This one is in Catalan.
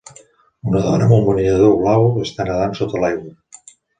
Una dona amb un banyador blau està nedant sota l'aigua.